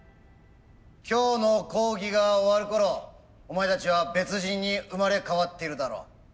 今日の講義が終わるころお前たちは別人に生まれ変わっているだろう。